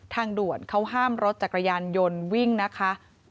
ทางด่วนเขาห้ามรถจักรยานยนต์วิ่งนะคะ